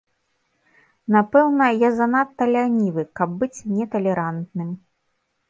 Напэўна, я занадта лянівы, каб быць неталерантным.